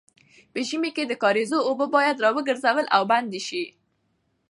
په ژمي کې د کاریزو اوبه باید راوګرځول او بندې شي.